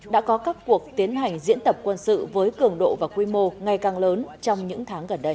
đã có các cuộc tiến hành diễn tập quân sự với cường độ và quy mô ngày càng lớn trong những tháng gần đây